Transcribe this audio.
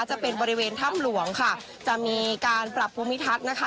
จะเป็นบริเวณถ้ำหลวงค่ะจะมีการปรับภูมิทัศน์นะคะ